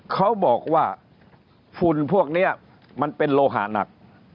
เขาบอกว่าฝุ่นพวกนี้มันเป็นโลหะหนัก